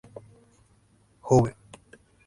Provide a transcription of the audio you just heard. hube